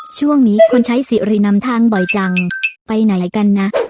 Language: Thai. ช่วงนี้คนใช้สิรินำทางบ่อยจังไปไหนกันนะ